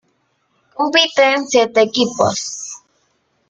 Compiten siete equipos.